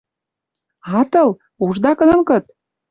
Атыл? Ужда кыдын кыт?